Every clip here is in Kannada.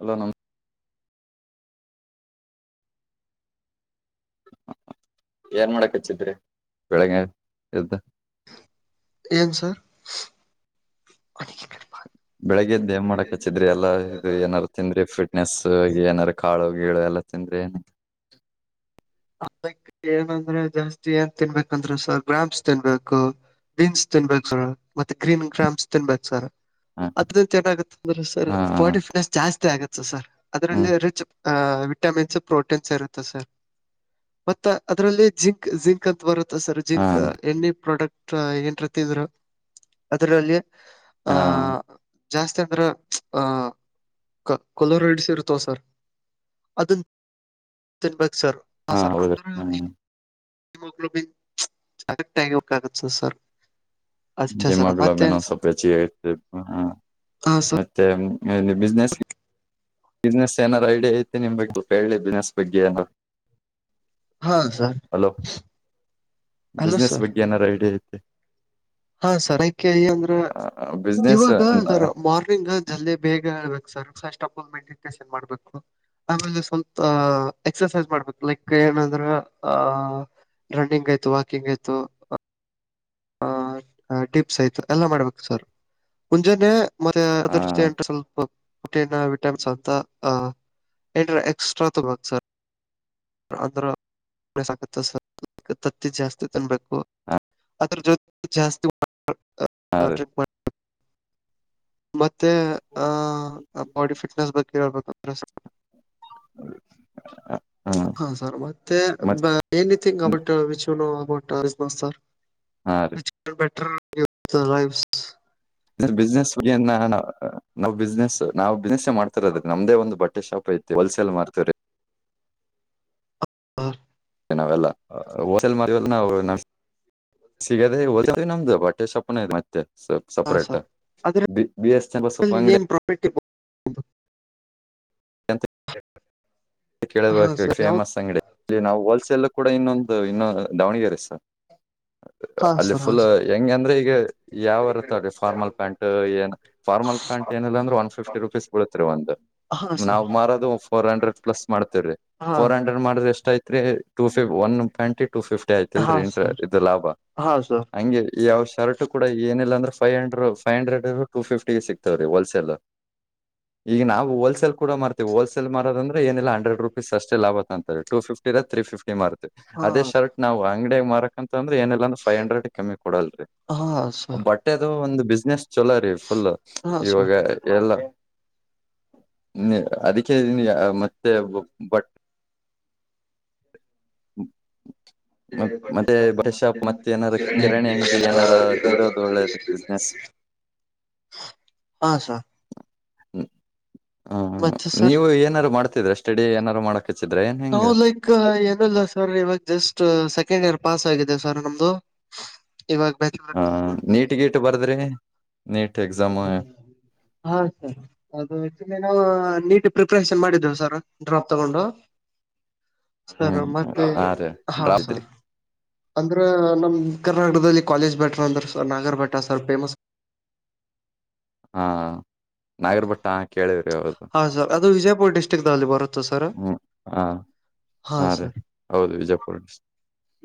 ಅಲ್ಲ ನಮಸ್ ಏನ್ ಮಾಡಕ್ ಹಚ್ಚಿದ್ರಿ ಬೆಳಗ್ಗೆ ಎ್ದು ಏನ್ ಸರ್ ಬೆಳಿಗ್ಗೆದ ೇಮ್ ಮಾಡಕ್ ಹಚ್ಚಿದ್ರಿ ಎಲ್ಲಾ ಇದು ಏನಾರು ತಿಂದ್ರಿ ಫಿಟ್ನೆಸ್ ಏನಾರು ಕಾಳ ಹೋಗಿ ಕುವ ಎಲ್ಲ ತಿಂದ್ರೆ ಏನು ಅದಕ್ ಏನಂದ್ರೆ ಜಾಸ್ತಿ ಏನ್ ತಿನ್ಬೇಕಂದ್ರೆ ಸ ಗ್ರಾಮ್ಸ್ ತಿನ್ಬೇಕು ಬೀನ್ಸ್ ತಿನ್ಬೇಕು ಸರ್ ಮತ್ತೆ ಗ್ರೀನ್ ಗ್ರಾಮ್ಸ್ ತಿನ್ಬೇಕು ಸರ್ ಹ ಅದ ಚೆನ್ನಾಗತ್ತ ಅಂದ್ರೆ ಸರ್ ಹಾ ಬಾಡಿ ಫಿಟ್ನೆಸ್ ಜಾಸ್ತಿ ಆಗತ್ತ ಸರ್ ಹ್ಮ್ ಅದ್ರಲ್ಲಿ ರಿಚ್ ಆ ವಿಟಮಿನ್ಸ್ ಪ್ರೋಟೀನ್ಸ್ ಇರುತ್ತೆ ಸರ್ ಮತ್ತ ಅದ್ರಲ್ಲಿ ಜಿಂಕ್ ಜಿಂಕ್ ಅಂತ ಬರುತ್ತ ಸರ್ ಹಾ ಜಿಂಕ್ ಎಣ್ಣಿ ಪ್ರಾಡಕ್ಟ್ ನ್ತಿದ್ರು ಅದರಲ್ಲಿ ಹಾ ಆಹ ಜಾಸ್ತಿ ಅಂದ್ರೆ ಆಹ ಕೊಲೋರೈಡ್ಸ್ ಇರ್ತಾವ ಸರ್ ಅದನ್ ತಿನ್ಬೇಕು ಸರ್ ಹಾ ಸರ್ ಹೌದ್ರಿ ಅಂದ್ರ ಹ್ಮ್ ಹಿಮೋಗ್ಲೋಬಿನ್ [unintelligible] ಆಗತ್ತ ಸರ್ ಅಷ್ಟೇ ಸರ್ ಹಿಮೋಗ್ಲೋಬಿನ್ ಮತ್ತೇನ್ ಒನ್ ಸರ್ ಸ್ವಲ್ಪ ಹೆಚ್ಚಿಗೆತ ಹ ಹಾ ಸರ್ ಮತ್ತೆ ಅಲ್ಲಿ ಬಿಸ್ನೆಸ್ ಬಿಸ್ನೆಸ್ ಏನಾರು ಐಡಿಯಾ ಐತೆ ನಿಮ್ ಬಗ್ ಗೊ ಹೇಳಿ ಬಿಸ್ನೆಸ್ ಬಗ್ಗೆ ಏನಾರು ಹಾ sir hello hello business sir ಬಗ್ಗೆ ಏನರ ಐಡಿಯ ಐತಿ ಹಾ ಸರ್ ಅಂದ್ರ ಬಿಸ್ನೆಸ್ ಇವಾಗ ಸರ ಮಾರ್ನಿಂಗ್ ಜಲ್ದೀ ಬೇಗ ಏಳಬೇಕ್ sir first of all meditation ಮಾಡ್ಬೇಕು. ಆಮೇಲೆ ಸ್ವಲ್ಪ ಎಕ್ಸ್ರಸೈಸ್ ಮಾಡ್ಬೇಕು ಲೈಕ್ ಏನಂದ್ರ ಆಹ ರನ್ನಿಂಗ್ ಆಯ್ತು ವಾಕಿಂಗ್ ಆಯ್ತು ಹ ಟಿಪ್ಸ್ ಆಯ್ತು ಎಲ್ಲ ಮಾಡ್ಬೇಕು ಸರ್ ಮುಂಜಾನೆ ಮತ್ತೆ ಹಾ ಅದರ ಜೊತೆ ಅಂಟ ಸ್ವಲ್ಪ ಪ್ರೋಟೀನ್ ವಿಟಮಿನ್ಸ್ ಅಂತ ಏ ಎಕ್ಸ್ಟ್ರಾ ತುಗೋಬೇಕ್ ಸರ್ [unintelligible] ತತ್ತಿ ಜಾಸ್ತಿ ತನ್ಬೇಕು ಅದ್ರ ಜೊತೆ ಜಾಸ್ತಿ ಹಾ ರೀ [unintelligible] ಮತ್ತೆ ಆ ಬಾಡಿ ಫಿಟ್ನೆಸ್ ಬಗ್ಗೆ ಹೇಳ್ಬೇಕಂದ್ರ ಹ ಹಾ ಸರ್ ಮತ್ತೆ ಹಾ ರೀ [unintelligible] ಸರ್ [unintelligible] ಬಿಸ್ನೆಸ್ ಏನ್ ಬಿಸ್ನೆಸ್ ನಾವು ಬಿಸ್ನೆಸ್ಸ ಮಾಡ್ತಿರೋದ ನಮ್ದೇ ಒಂದು ಬ ಟ್ಟೆ ಶಾಪ್ ಐತಿ ಹೋಲ್ಸೇಲ್ ಮಾರ್ತವ್ರಿ ಹಾ ನಾವೆಲ್ಲ ಹೋಲ್ಸೆಲ್ [unintelligible] ಸಿಗದೇ ನಮ್ದು ಬಟ್ಟೆ [unintelligible] ಮತ್ತೆ ಸಪ್ ಹಾ separate sir B C S Channabasappa ಅದರಲ್ಲಿ ಅಂಗಡಿ ಏನ್ ಪ್ರಾಫಿಟ್ ಅಂತ ಹ ಕೇಳಬೇಕು ಫೇಮಸ್ ಅಂಗಡಿ ಇಲ್ಲಿ ನಾವು ವೋಲ್ ಎಲ್ಲ ಕೂಡ ಇನ್ನೊಂದು ಇನ್ನೊ ದಾವಣಗೆರೆ ಸ ಹಾ ಅಲ್ಲಿ ಸರ್ ಫುಲ್ ಹೆಂಗ ಅಂದ್ರೆ ಈಗ ಯಾವರ ತಗೋರೀ ಫಾರ್ಮಲ್ ಪ್ಯಾಂಟ್ ಏನ್ ಫಾರ್ಮಲ್ ಪ್ಯಾಂಟ್ ಏ ಏನಿಲ್ಲ ಅಂದ್ರೂ ಒನ್ ಫಿಫ್ಟಿ ರುಪೀಸ್ ಬೀಳತ್ರೀ ಒಂದು ಹಾ ಸರ್ ನಾವು ಹಾ ಸರ್ ಮಾರೋದು ಫೋರ್ ಹಂಡ್ರೆಡ್ ಪ್ಲಸ್ ಮಾಡ್ತವ್ರೀ ಹಾ ಫೋರ್ ಹಂಡ್ರೆಡ್ ಮಾಡದ್ರೇ ಎಷ್ಟ್ ಆಯ್ತ್ರಿ ಟೂ ಒನ್ ಪ್ಯಾಂಟ ಟೂ ಫಿಫ್ಟಿ ಆಯ್ತಿಲ್ಲ ಹಾ ರೀ ಸರ್ ಇದು ಲಾಭ ಹಾ ಸರ್ ಹಂಗೆ ಈ ಯಾವ್ ಶರ್ಟ ಕೂಡ ಏನಿಲ್ಲ ಅಂದ್ರ five hundred five hundred two ಫಿಫ್ಟಿಗೆ ಸಿಕ್ತಾವ ರೀ ಹೋಲ್ಸೆಲ್ ಈಗ ನಾವು ಹೋಲ್ಸೆಲ್ ಕೂಡ ಮಾರ್ತವಿ ಹೋಲ್ಸಲ್ ಮಾರದ ಅಂದ್ರೆ ಏನಿಲ್ಲ ಎರಡ್ ರುಪೀಸ್ ಅಷ್ಟೇ ಲಾಭ ತುಗೊಂತಾರೆ ಟೂ ಫಿಫ್ಟಿ ತ್ರೀ ಫಿಫ್ಟಿ ಮತ ಹಾ ಅದೇ ಶರ್ಟ್ ನಾವು ಅಂಗಡ್ಯಾಗ ಮಾರಕಂತ ಅಂದ್ರ ಏನಲ್ಲಂದ್ರ ಫೈವ್ ಹಂಡ್ರೆಡ್ ಕಮ್ಮಿ ಕೊಡಲ್ರೀ ಹಾ ಸರ್ ಬಟ್ಟೆದು ಒಂದು ಬಿಸ್ನೆಸ್ ಚೊಲೋ ರೀ ಫುಲ್ ಹಾ ಇವಾಗ ಸರ್ ಎಲ್ಲ ಅದಕ್ಕೆ ಮತ್ತೆ ಬಟ್ [inaudible] ಮ ಮತ್ತೆ ಬಟ್ಟೆ ಶಾಪ್ ಮತ್ತೆ ಏನಾರ ಕಿರಣಿ ಅಂಗಡಿ ಏನಾರ ಇಡೋದು ಒಳ್ಳೇದು ಬಿಸ್ನೆಸ್ ಹಾ ಸಾರ್ ್ಮ ಹ್ಮ್ ಮತ್ತೆ ಸರ್ ನೀವು ಏನಾರು ಮಾಡ್ತಿದ್ರ ಸ್ಟಡಿ ಏನಾರು ಮಾಡಕ ನಾ್ ಲೈಕ್ ಏನಿಲ್ಲ ಸರ್ ಇವಾಗ ಜಸ್ಟ್ ಸೆಕೆಂಡ್ ಇಯರ್ ಪಾಸ್ ಆಗಿದೆ ಸರ್ ನಮ್ದು ಇವಾಗ ಹ ನೀಟ್ [unintelligible] ಗೀಟ್ ಬರ್ದ್ರಿ ನೀಟ್ ಎಕ್ಸಾಮ್ ಹಾ ಸರ್ ಅದು [unintelligible] ಪ್ರಿಪರೇಷನ್ ಮಾಡಿದ್ದವು ಸರ್ ಡ್ರಾಪ್ ತಗೊಂಡು ಸರ್ ಹ್ಮ್ ಮತ್ತೆ ಹಾ ರೀ ಹಾ ಡ್ರಾಪ್ದ್ರಿ ಸರ್ ಅಂದ್ರ ನಮ ಕರ್ನಾಟಕದಲ್ಲಿ ಕಾಲೇಜ್ ಬೆಟರ್ ಅಂದ್ರ ನಾಗರ್ ಬೆಟ್ಟ ಸರ್ ಫೇಮಸ್ ಹಾ ನಾಗರಬಟ್ಟ ಹಾ ಕೇಳಿವ್ರಿ ಹೌದು ಹಾ ಸರ್ ಅದು ವಿಜಯಪುರ ಡಿಸ್ಟ್ರಿಕ್ಲ್ಲಿ ಬರುತ್ತಾ ಸರ್ ಹ್ಮ್ ಹಾ ಹಾ ರೀ ಹೌದು ವಿಜಯಪುರ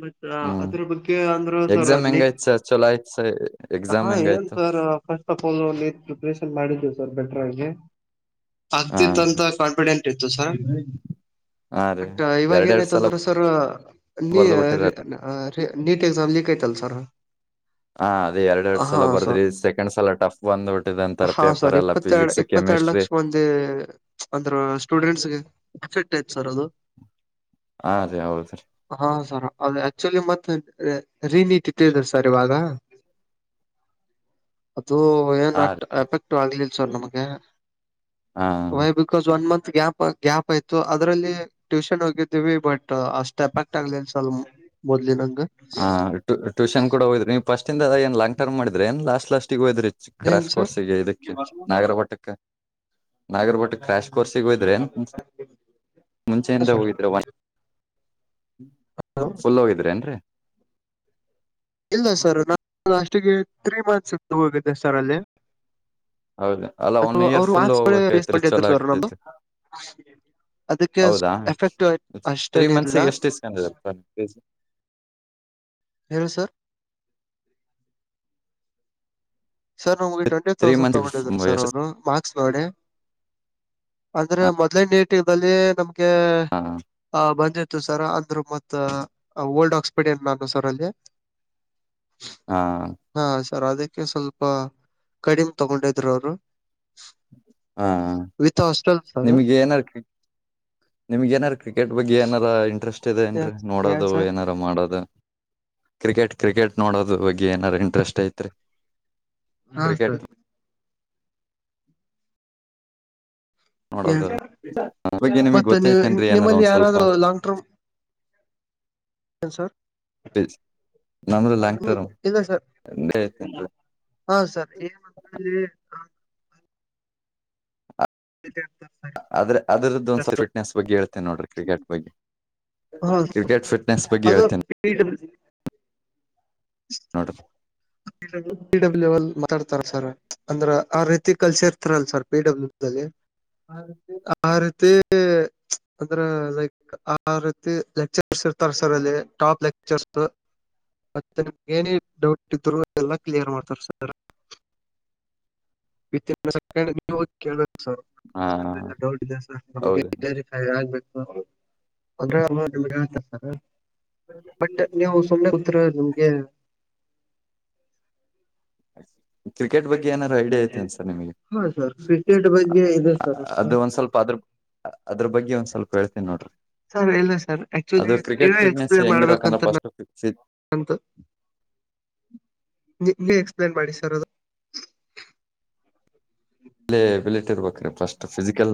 ಮತ್ತ ಹ್ಮ್ ಅದ್ರ ಬಗ್ಗೆ ಅಂದ್ರು ಸರ ಎಕ್ಸಾಮ್ ನೀ ಹೆಂಗಾಯ್ತ್ ಸರ್ ಚಲೋ ಆಯ್ತ್ ಸ ಎಕ್ಸಾಮ್ ಹಾ ಏನ್ ಹೆಂಗಾಯ್ತು sir first of all preparation ಮಾಡಿದ್ದೇವು ಸರ್ ಬೆಟ್ರ ಆಗಿ ಹಾ ಆಗ್ತಿತ್ತ ಅಂತ ಕಾನ್ಫಿಡೆಂಟ್ ಇತ್ತು ಸರ್ ಹಾ ರೀ ಬಟ್ ಇವಾಗ ಎರಡೆರಡ್ ಸಲ ಏನಯ್ತಂದ್ರೆ ಸರ್ ನೀ ಬರ್ದು ಬಿಟ್ಟಿರ ನೀಟ್ ಎಕ್ಸಾಮ್ ಲಿಕ್ಯಐತಲ್ಲ ಸರ್ ಹ ಅದ ಎರಡ್ ಎರಡ್ ಸಲ ಹಾ ಸರ್ ಬರ್ದ್ರಿ ಸೆಕೆಂಡ್ ಸಲ ಟಫ್ ಬಂದ್ಬಟ್ಟ್ಂತಾರ ಹಾ ಪೇಪರ್ ಸರ್ ಎಲ್ಲ ಇಪ್ಪತ್ತೆರಡು ಫಿಸಿಕ್ಸ್ ಇಪ್ಪತ್ತೆರಡು ಕೆಮಿಸ್ಟ್ರಿ ಲಕ್ಷ ಮಂದಿ ಅಂದ್ರ ಸ್ಟೂಡೆಂಟ್ಸ್ಗೆ ಎೆಕ್ಟ್ ಯತ್ ಸರ್ ಅದು ಹಾದೀ ಹೌದೀ ಹಾ ಸರ್ ಅ ಆಕ್ಚುಲಿ ಮತ್ತೆ ರೀನಿತಿ ತಿ ಸರ್ ಇವಾಗ ಅದು ಏನ್ ಹಾ ರೀ ಎಫೆಕ್ಟ್ ಆಗ್ಲಿಲ್ಲ ಸರ್ ನಮಗೆ ಹಾ why because one month gap gap ಆಯ್ತು ಅದ್ರಲ್ಲಿ ಟ್ಯೂಷನ್ ಹೋಗಿದ್ದೀವಿ ಬಟ್ ಆ ಸ್ಟೆಪ್ ಆ ಇಟ್ಟಾಗಗ್ಲ ಸಲ್ ಮೊದಲಿನ ಹಟ ಟೂಷನ್ೂಡ ಹೋದ್ರ ನೀ ಫಸ್ಟ್ಂದಿಂದ ಏನ್ ಲಾಂಗ್ ಟರ್್ ಮಾಡಿದ್ರ ನ್ ಲಸ್ಟ್ ಲಾಸ್ಟಿಗೆ ಹೋದ್ರಿ ಏನ್ ಕ್ರಾಶ್ ಸರ್ ಕೋರ್ಸ್ಗೆ ಇದಕ್ಕೆ ನಾಗರಭಟಕ್ಕೆ ನಾಗರಭಟ ಕ್ರಾಶ್ ಕೋರ್ಸಗ ಹೋಯದ್ರೆ ಮುಂಚೆಯಿಂದ ಹೋಗಿದ್ರೆ ಸರ್ ಫುಲ್ ಹೋಗಿದ್ರ ಏನ್ರರಿ ಇಲ್ಲ ಸರ್ ನಾನ ಲಾಸ್ಟಿಗೆ ತ್ರೀ ಮಂತ್ಸ್ ಹೋಗಿದ್ದೆ ಸರ್ ಅಲ್ಲಿ ಹೌದು ಅಲ್ಲ ಅ ಒನ್ ಇಯರ್ ಅವರು ಫುಲ್ ವಾಕ್ ಹೋಗ್ಬೇಕೈತ್ರಿ ವೇಸ್ಪರು ಚಲೋ ಸ ಅವರು ನಮ್ದು ಆಗ್ತೈತಿ ಅದಕ್ಕೆ ಹೌದಾ ಎಫೆಕ್ಟ್ ತ್ರೀ ಅಷ್ಟನ ಇರ್ಲ್ಲ ಮಂತ್ಸಿಗೆ ಎಷ್ಟು ಇಸ್ಕೊಂಡಿದಾರೆ ಸರ್ ಫೀಸ್ ಹೇಳಲೋ ಸರ್ ಸರ್ ನಮ್ಗೆ ಟ್ವೆಂಟಿ ತ್ರೀ ತೌಸಂಡ್ ಮಂತ್ಸಿಗೆ ತಗೊಂಡಿದ್ರು ಸರ್ ಎಷ್ಟು ಅವ್ರು ಮಾರ್ಕ್ಸ್ ನೋಡಿ ಅಂದ್ರೆ ಹಾ ಮೊದ್ಲೇ ನೀಟಂಗಲ್ಲಿ ನಮ್ಗೆ ಆಹ ಬಂದಿತ್ತು ಇ ಸರ್ ಅಂದ್ರು ಮತ್ತ ಓಲ್ಡ್ ಆಕ್ಸ್ಫರ್ಡ್ ಏನ್ ನಾನು ಸರ್ ಅಲ್ಲಿ ಹಾ ಹಾ ಸರ್ ಅದಕ್ಕೆ ಸ್ವಲ್ಪ ಕಡಿಮೆ ತಗೊಂಡಿದ್ರು ಅವರು ಹಾ ವಿತ್ ಹಾಸ್ಟೆಲ್ ಸರ್ ನಿಮ್ಗೆ ಏನರ್ ನಿಮ್ಗೆ ಏನಾರ್ಕ ಕ್ರಿಕೆಟ್ ಬಗ್ಗೆ ಏನಾರ ಇಂಟ್ರೆಸ್ಟ್ ಇದೆಏನ್ರರಿ ಏನ್ ನೋಡೋದು ಸರ್ ಏನಾರ ಮಾಡೋದು ಕ್ರಿಕೆಟ್ ಕ್ರಿಕೆಟ್ ನೋಡೋದ ಬಗ್ಗೆ ಏನಾರ್ ಇಂಟ್ರೆಸ್ಟ್ ಐತ್ರಿ ಹಾ ಕ್ರಿಕೆಟ್ ಸರ್ ನೋಡೋದು ಬಗ್ಗೆ ನಿಮಗ್ ಮತ್ತೆ ನೀವು ಗೊತ್ತೈತೆೇನ್ರೀ ಏನಾರ ನಿಮ್ಮಲ್ಲಿ ಒಂದ್ ಸ್ವಲ್ಪ ಯಾರಾದ್ರು ಲಾಂಗ್ ಟರ್ಮ್ ಏ ಸರ್ ಹ ನಮದು ಲಾಂಗ ಹ್ಮ್ ಟರ್ಮ ಇಲ್ಲ ಸರ್ ಎ ಹಾ ಸರ್ ಏನಂತೇಳಿ ಆದ್ರೆ ಅದ್ರದ್ದ ಒಂದ್ ಸ್ವಲ್ ಫಿಟ್ನೆಸ್ ಬಗ್ಗೆ ಹೇಳ್ತೆೇನೆ ನೋಡ್ರಿ ಕ್ರಿಕೆಟ್ ಬಗ್ಗೆ ಹ ಕ್ರಿಕೆಟ್ ಫಿಟ್ನೆಸ್ ಬಗ್ಗೆ ಅದು ಹೇಳ್ತೇನಿ ನೋಡ್ರಿ ಡ ಬಿಿ ಡಬ್ಲ್ಯಲ್ ಮಾತಾಡ್ತಾರ ಸರ್ ಅಂದ್ರ ಆ ರೀತಿ ಕಲ್ಸಿರ್ತಾರಲ್ ಸರ್ ಪಿ ಡಬ್ಲ್ಯೂಲ್ಲಿ ಹದು ಅಂದ್ರ ಲೈಕ್ ಆ ರೀತಿ ಲೆಕ್ಚರ್ಸ್ ಇರ್ತಾರ ಸರ್ ಅಲ್ಲಿ ಟಾಪ್ ಲೆಕ್ಚರ್ಸ್ ನಿಮ ನ ಡೌಟ್ ಇದ್ರು ಎಲ್ಲ ಕ್ಲಿಯರ್ ಮಾಡ್ತಾರ ಸರ್ ವತ್ಯಾಸ ನೀವು ಹೋಗ ಸ ಹಾ ಡೌಟ್ ಇದೆ ಸ ನಮ ಹೌದು ಆಗ್ಬೇಕು ಅ್ರ [unintelligible] ಬಟ್ ನೀವು ಸುಮಮ್ಮನೆ ಗತ್ರ ನಿಮ್ಗೆ ಕ್ರಿಕೆಟ್ ಬಗ್ಗೆ ಏನಾರರು ಐಡಿಯಾ ಐತೆ ಅನ್ ಸರ್ ನಿಮಗೆ ಹಾ ಸರ್ ಕ್ರಿಕೆಟ್ ಬಗ್ಗೆ ಇದೆ ಸರ್ ಅದು ಒಂದ್ ಸ್ವಲ್ಪ ಅದ್ರ ಅದ ಬಗ್ಗೆ ಒಂದ ಸ್ಲ್ಪ ಹೇಳ್ತನಿ ನೋಡಿ ಸರ್ ಇಲ್ಲ ಸರ್ ಆಕ್ಚುಲಿ ಅದು ಕ್ರಿಕೆಟ್ ಫಿಟ್ನೆಸ್ ಹೆಂಗಿರಕಂದ್ರೆ ಫಸ್ಟ್ ಅಂತ ನಿ ಎಕ್ಸ್ಪ್ಲೇನ್ ಮಾಡಿ ಸರ್ ಅದು ಅಲ್ಲಿ ಎಬಿಲಿಟಿ [unintelligible] ಇರ್ಬೇಕ್ರ ಫಸ್ಟ್ ಫಿಸಿಕಲ್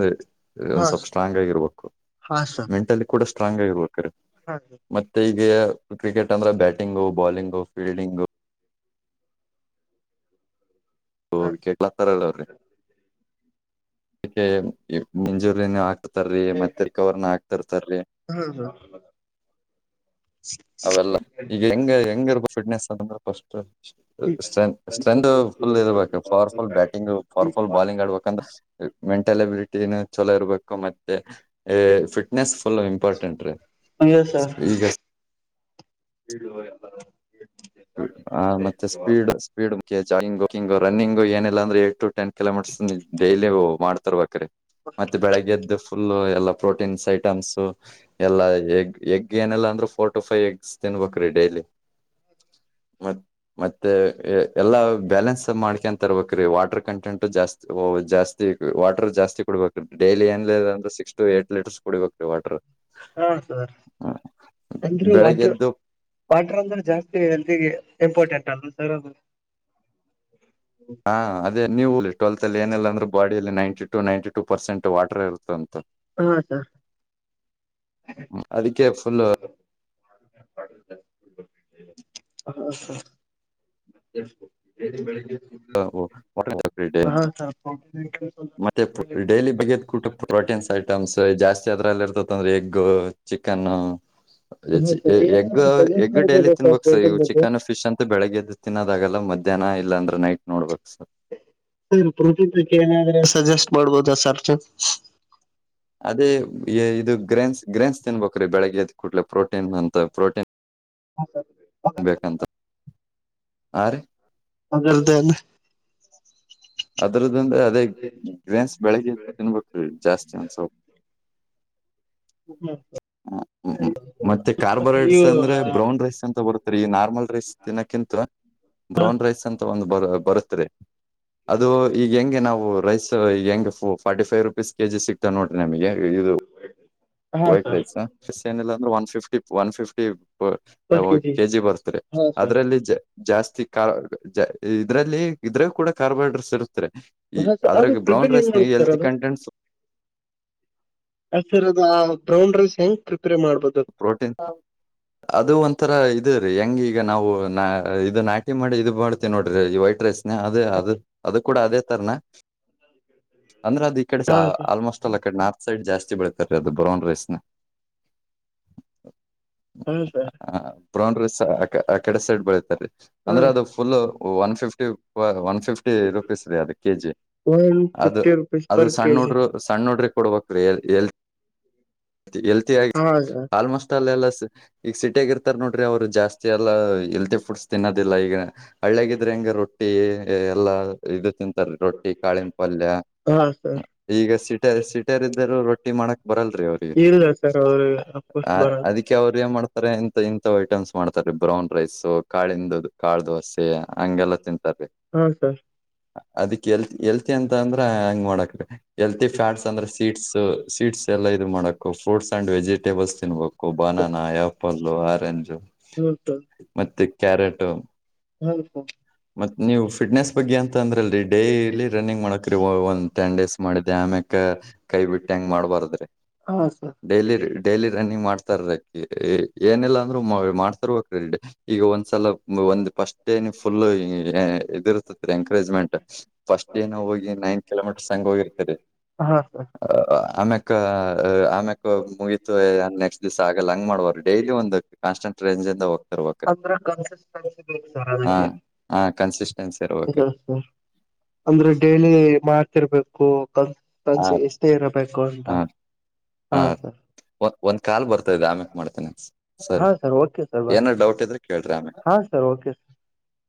ಹಾ ಒಂದ್ ಸ್ವಲ್ಪ ಸ್ಟಾ್ ಆಗಿರ್ಬೇಕು ಹಾ ಸರ್ ಮೆಂಟಲಿ ಕೂಡ ಸ್ಟ್ರಾಂಗ್ ಆಗಿರ್ಬೇಕು ಹಾ ಮತ್ತೆ ಈಗ ಕ್ರಿಕೆಟ್ ಅಂದ್ರೆ ಬ್ಯಾಟಿಂಗು ಬಾಲಿಂಗು ಫೀಲ್ಡಿಂಗು ಹಾ ಸರ್ ಹಲತ್ತಾರಲ್ಲ ಅವ್ರಿ ಮಂಜೂರಿನ ಹಾಕ [unintelligible] ಹಡ್ತಾರೀ ಮತ್ತೆ ಕವರ್ ನಾ ಹ್ಮ ಹಾ ಅವೆಲ್ಲ ಈಗ ಹೆಂಗ ಹೆಂಗಿರ್ಬ ಫಿಟ್ನೆಸ್ ಅಂದ್ರೆ ಫಸ್ಟ್ ಸ್ಟ್ರೆತ್ ಸ್ಟ್ರೆತ್ ಫುಲ್ ಇರ್ಬೇಕು power full batting powerful bowling ಆಡ್ಬೇಕಂದ್ರೆ ಮೆಂಟಲ್ ಅಬಿಲಿಟಿನು ಚಲೋ ಇರ್ಬೇಕು ಮತ್ತೆ ಫಿಟ್ನೆಸ್ ಫುಲ್ ಇಂಪಾರ್ಟೆಂಟ್ ರೀ ಈಗ ಇಡು [unintelligible] ಮತ್ತೆ ಸ್ಪೀಡ್ ಸ್ಪೀಡ್ ಮುಖ್ಯ ಮುಖ್ಯ ಜಂಗ್ಕಿಂಗ ರನ್ನಿಂಗು ಏನೆಲ್ಲ ಅಂದ್ರೆ ಏಟ್ ಟ ಟೆನ್ ಕೆಲೋ ಮಿಟರ್ಸ್ ನೀ ಡೈಲಿ ಮಾಡ್ತರ್ಬೇಕ್ರೀ ಮತ್ತೆ ಬೆಳಗ್ಗೆದ್ದು ಫುಲ್ಲ ಎಲ್ಲಾ ಪ್ರೋಟೀನ್ಸ್ ಐಟಮ್ಸ್ ಎಲ್ಲಾ ಎಗ್ ಎಗ್ ಏನೆಲ್ಲಾ ಅಂದ್ರೆ ಫೋರ್ಟು ಫೈವ್ ಎಗ್ಸ್ ತಿನ್ಬೇಕ್ರೀ ಡೈಲಿ ಮ ಮತ್ತೆ ಎಲ್ಲಾ ಬ್ಯಾಲೆನ್ಸ್ ಮಾಡ್ಕ ತರ್ಬೇಕ್ರೀ ವಾಟರ್ ಕಂಟೆಂಟ್ ಜಾಸ್ತಿ ಓ ಜಾಸ್ತಿ ವಾಟರ್ ಜಾಸ್ತಿ ಕೊಡಬೇಕು ಡೈಲಿ ಏನ್ಲ ಅಂದ್ರೆ ಸಿಕ್ಸ್ ಟು ಏಟ್ ಲೀಟರ್ಸ್ ಕುಡಿಬೇಕ್ರೀ ವಾಟರ್ ಹಾ ಸರ್ ಅಂದ್ರೆ ಬೆಳಗ್ಗೆ ವಾಟ್ರ ಎದ್ದು ವಾಟ್ರ ಅಂದ್ರೆ ಜಾಸ್ತಿ ಲ್ ಇಂಪಾರ್ಟೆಂಟ್ ಅಲ್ಲ ಸರ್ ಅದು ಹಾ ಅದೇ ನೀವು ಟ್ವೆಲ್ತ್ ಅಲ್ಲಿ ಏನಲ್ಲ ಅಂದ್ರೆ ಬ ಲ್ಲಿ ninety two ninety two percent water ಇರುತ್ತ ಅಂತ ಹಾ ಸ ುಬಲ್ ಅದಕ್ಕೆ ಫುಲ್ [unintelligible] ಮತ್ತೆ ಬೆಳಗ್ [unintelligible] ವು ಮೋಟರ್ ಚಕರಿ ೇಗ [unintelligible] ಸರ್ ಮತ್ತೆ ಡೈಲಿ ಬಗೆಯದ ಕೂಟ್ಟ ಪ್ರೋಟೀನ್ಸ್ ಐ ಐಟಮ್ಸ್ ಜಾಸ್ತಿ ಅದ್ರಲ್ಲಿ ಇರ್ತತ ಅಂದ್ರೆ ಎಗ್ಗ ಚಿಕನ್ ಹಾ ಸರ್ ಎಗ್ ಏನಾದ್ರೂ ಸಜೆಸ್ಟ್ ಎಗ್ ಡೈಲಿ ಮಾಡ್ಬೋದಾ ತಿನ್ಬೇಕು ಸರ್ ಈ ಪ್ರೋಟೀನ್ ಬಗ್ಗೆ ಚಿಕನ್ ಫಿಶ್ ಅಂತ ಬೆಳಗ್ಗೆದ್ದು ತಿನ್ನೋದಾಗಲ್ಲ ಮಧ್ಯಾಹ್ನ ಆಯತು ಇಲ್ಲ ಅ್ರ ನೈಟ್ ನೋಡ್ಬೇಕಕ್ ಸರ್ ಪ್ರತಕ್ಕೆ ಏನಾದ್ರೆ ಸಜೆಸ್ಟ್ ಮಾಡ್ಬೋದ ಸರ್ ಅದೇ ಇದು ಗ್ರೇನ್ಸ್ ಗ್ರೇನ್ಸ್ ತಿನ್ಬೇಕ್ರೀ ಬೆಳಿಗ್ಗೆ ಎದ ಕೂಡ್ಲೆ ಪ್ರೋಟೀನ್ ಅಂತ ಪ್ರೋಟೀನ್ ಹ ಸರ್ ಅ ಬೇಕಂತ ಆ ರ [unintelligible] ಮಗಲ್ದನ್ [unintelligible] ಅದ್ರದಿಂದ ಅದೇ ಗೇನ್ಸ್ ಬೆಳಿಗ್ಗೆ ತಿನ್ಬೇಕೀ ಜಾಸ್ತಿ ಒನ್ಸೌ ಮತ್ತೆ ಕಾರ್ಬರೈಡ್ಸ್ ಅಂದ್ರೆ ಇವು ಬ್ರೌನ್ ರೈಸ್ ಅಂತ ಬರುತ್ತೆ ರಿ ಈ ನಾರ್ಮಲ್ ರೈಸ್ ತಿನ್ನಕ್ಕಿಂತ ಬ್ರೌನ್ ರೈಸ್ ಅಂತ ಒಂದು ಬ ಬರುತ್ರಿ ಅದು ಈಗ ಹೆಂಗೆ ನಾವು ರೈಸ್ ಈಗ ಹೆಂಗೆ ಫಾರ್ಟಿ ಫೈವ್ ರುಪೀಸ್ ಕೆಜಿ ಸಿಕ್ತಾವ ನೋಡ್ರಿ ನಮಗೆ ಎದ್ದು ಹಾ ವೈಟ್ ಸರ್ ರೈಸ್ ಫಶ್ಚನ್ ಎಲ್ಲ ಅಂದ್ರೆ one fifty one fifty KG ಬರ್ತರಿ ಹಾ ಸರ್ ಅದ್ರಲ್ಲಿ ಜ ಜಾಸ್ತಿ ಕ ಇದ್ರಲ್ಲಿ ಇದ್ರ ಕೂಡ ಕಾರ್ಬೋ ಹೈಡ್ರೇಟ್ಸ್ ಇರುತ್ತೆ. ತ್ರ ಈ ಹಾ ಸರ್ ಅದು ಅದ್ರಾಗ ಬ್ರೌನ್ ಪ್ರಿಪೇರ್ ಹೆಂಗ್ ರೈಸ್ ನ ಮಾಡುತ್ತೆ ಸರ್ ಎಲ್ತಿ ಅದು ಕಂಟೆಂಟ್ಸ್. ಆ ಸರ್ ಅದ ಆ ಬ್ರೌನ್ ರೈಸ್ ಹೆಂಗ್ ಕೃಪರೆ ಮಾಡುದು. ಪ್ರೋಟೀನ್ ಅದು ಒಂಥರ ಇದು. ಹೆಂಗ್ ಈಗ ನಾವು ನ ಇದು ನಾಟಿ ಮಾಡಿ ಇದು ಮಾಡಾತೀವಿ ನೋಡ್ರಿ ಈ ವೈಟ್ ರೈಸ್ ನ ಅದೇ ಅದು ಅದ. ಕೂಡ ಅದೇ ತರನಾ ಅಂದ್ರೆ ಅದ ಈ ಕಡೆ ಹಾ ಸರ್ ಆಲ್ಮೋಸ್ಟ್ ಅಡೆ. ಸೈಡ್ ಜಾಸ್ತಿ ಬೆಳತಾರೀ ಅದು ಬ್ರೌನ್ ರೈಸ್ ನ. ಹಾ ಸರ್. ಬೋನ್ ರೀ ಆ ಕಡೆ ಸೈಡ್ ಬೆಳೀಿತ ರೀ. ಹಾ ಅಂದ್ರೆ ಅದು full one fifty one fifty rupees ರೀ ಅದು ಕೆಜಿ. ಒನ್ ಅದು ಫಿಫ್ಟಿ ರುಪೀಸ್ ಅದು ಪರ್ ಸಣ್ಣ ಕೆಜಿ ನೋಡ್ರರು ಸಣ್ಣ ನೋಡ್ರಿ. ಕೊಡ್ಬೇಕಲ್ ಆಗ ಹಾ ಸರ್ ಆಲ್ಮೋಸ್ಟ್ ಅಲ್ಲಲ್ಲ. ಈಗ ಸಿಟಿಯಾಗ ಇರ್ತಾರ ನೋಡ್ರಿ ಅವ್ರು ಜಾಸ್ತಿ ಎಲ್ಲಾ ಇಲ್ತಿ ಫುಡ್ಸ್ ತಿನ್ನೋದಿಲ್ಲ ಈಗ ಹಳ್ಳ್ಯಗಿದ್ರೆ ಹಂಗಗೆ ರೊಟ್ಟಿ ಎಲ್ಲಾ ಇದು ತಿಂತಾರೀ ರೊಟ್ಟಿ ಕಾಳಿಂಬ ಪಲ್ಯ. ಹಾ ಸರ್ ಈಗ ಸಿೀಟ ಸೀಟಾರ್ದರು ರೊಟ್ಟಿ ಮಾಡಕ್ ಬರಲ್ರರಿ ಅವ್ರಿಗೆ. ಇಲ್ಲ ಸರ್ ಅವ್ರು ಅಫ್ಕೋರ್ಸ್ ಅ ಬರಲ್ಲ ಅದಕ್ಕೆ ಅವ್ರು ಏನ್ ಮಾಡ್ತಾರೆ. ಇಂಥ ಐಟಮ್ಸ್ ಮಾಡ್ತಾರೀ ಬ್ರೌನ್ ರೈಸ್ ಕಾಳಿಂದ ಕಾಳ ದೋಸೆ ಹಂಗೆಲ್ಲ ತಿಂತ. ಹಾ ಸರ್. ಅದಕ್ ಎಲ್ತ್ ಎಲ್ತಿ ಅಂತ ಅಂದ್ರ ಹಂಗ್ ಮಾಡೋಕೀ. ಎಲ್ತಿ ಫ್ಯಾಟ್ಸ್ ಅಂದ್ರೆ ಸೀಟ್ಸ್ ಸೀಟ್ಸ್ ಎಲ್ಲ ಇದು ಮಾಡಕು ಫ್ರೂಟ್ಸ್ ಅಂಡ್ ವೆಜಿಟ್. ಬಸ್ ತಿನ್ಬೇಕು ಬನಾನಾ ಆಪಲ್ಲ ಆರೆಂಜು. ಹ್ಮೌತ. ಕ್ಯಾರಟ್ ಹಲ್ಕು. ಮತ್ತತ್ ನೀವು ಫಿಟ್ನೆಸ್ ಬಗ್ಗೆ ಅಂತ ಅಂದ್ರಲ್ರಿ ಡೈಲಿ ರನ್ನಿಂಗ್ ಮಾಡಕ ಒಂದು ಟೆನ್ ಡೇಸ್ ಮಾಡಿದೆ. ಆಮ್ಯಕ್ ಕೈ ಬಿಟ್ಟ ಹೆಂಗ್ ಮಾಡ್ಬಾರ್ದ್ರಿ ಹಾ ಸರ್ ಡೈಲಿ ಡೈಲಿ ರನ್ನಿಂಗ್ ಮಾಡ್ತಾರೀ. ಏನೆಲ್ಲ ಅಂದ್ರರು ಮಾಡ್ತಾರರುವ ಕ್ರೆ ಈಗ ಒಂದ್ಸಲ ಒಂದ್ ಪಫಸ್ಟ್. ಫುಲ್ ಇದ ಇರ್ತರಿ ಎಂಕರೇಜ್ಮೆಂಟ್ ಫಸ್ಟ್ ಏ ನ ಹೋಗಿ ನೈನ್ ಕಿಲೋಮೀಟರ್ಸ್ಂಗ ಹೋಗಿರ್ತರಿ. ಹಾ ಸರ್ ಹ ಆಮ್ಯಕ್ ಆಮ್ಯಕ್ ಮುಗೀತು ನೆಕ್ಸ್ಟ್ ದಿವ್ ಆಗಲ್ಲ ಹಂಗ್ ಮಾಡ್ವರ್ಡಿ. ಡೈಲಿ ಒಂದು ಕಾನ್ಸ್ಟಂಟ್ ರೇಂಜ್ಂದ ಹೋಗ್ತಾರೆಕ್ರೆ. ಸ ಸರ. ಹಾ ಕನ್ಸಿಸ್ಟೆನ್ಸಿ ಇರ್ಬೇಕ್ರಿ ಅಂದ್ರೆ ಡೇಲಿ ಮಾಡ್ತಿರ್ಬೇಕು. ನ್ ಹಾ ಕನ್ಸ ಎಷ್ಟೇ ಇರಬೇಕು ಅಂತ ಹಾ ಹಾ ಒಂದ್ ಕಾಲ್ ಬರ್ತದೆ ಆಮೇಕ್ ಮಾಡ್ತೇನೆಿ. ಸರಿ ಹಾ ಸರ್ ಓಕೆ ಸರ್ ಬಾಯ್ ಏನಾದ ಡೌಟ್ ಇದ್ರೆ ಕೇಳ್ರಿ ಆಮೇ. ಹಾ ಸರ್ ಓಕೆ ಸರ್